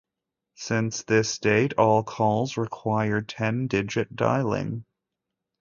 Since this date, all calls require ten-digit dialing.